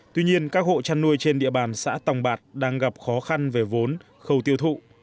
tuy nhiên các hộ chăn nuôi trên địa bàn xã tòng bạc đang gặp khó khăn về vốn khâu tiêu thụ